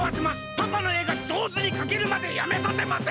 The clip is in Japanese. パパの絵がじょうずにかけるまでやめさせません！